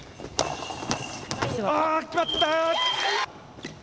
あー、決まった！